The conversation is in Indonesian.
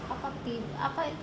apa itu minyak